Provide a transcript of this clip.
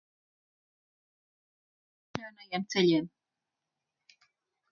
Trīs dienas viņi bija braukuši pa putekļainajiem ceļiem.